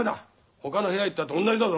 ほかの部屋行ったって同じだぞ。